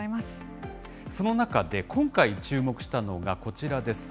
その中で、今回注目したのがこちらです。